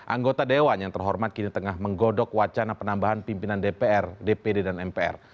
anggota dewan yang terhormat kini tengah menggodok wacana penambahan pimpinan dpr dpd dan mpr